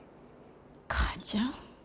母ちゃん。